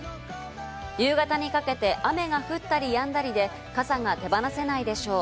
夕方にかけて雨が降ったりやんだりで傘が手放せないでしょう。